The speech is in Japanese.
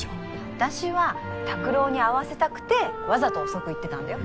私は拓郎に合わせたくてわざと遅く行ってたんだよ。